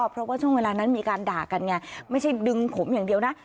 เพราะว่าช่วงเวลานั้นมีการด่ากันไงไม่ใช่ดึงผมอย่างเดียวนะ